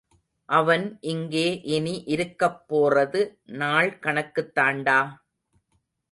அவன் இங்கே இனி இருக்கப் போறது நாள் கணக்குத் தாண்டா!...